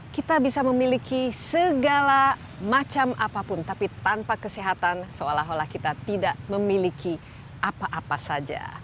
kita bisa memiliki segala macam apapun tapi tanpa kesehatan seolah olah kita tidak memiliki apa apa saja